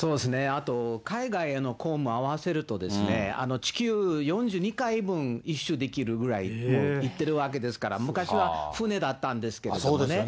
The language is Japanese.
あと海外への公務合わせると、地球４２回分、１周できるぐらい行ってるわけですから、昔は船だったんですけれどもね。